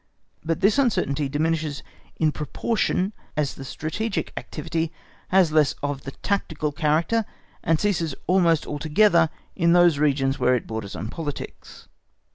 But this uncertainty diminishes in proportion as the strategic activity has less of the tactical character, and ceases almost altogether in those regions where it borders on politics.